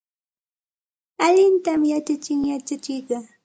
Allintam yachachin yachachiqqa.